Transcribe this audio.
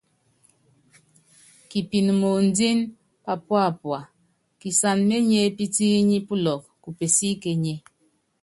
Kipin moondín papúápua, kisan menyépítíínyi pulɔk ku pesíkényé.